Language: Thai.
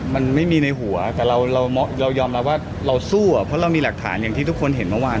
มันไม่มีในหัวแต่เรายอมรับว่าเราสู้อ่ะเพราะเรามีหลักฐานอย่างที่ทุกคนเห็นเมื่อวาน